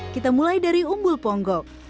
kita mulai dari umbul ponggok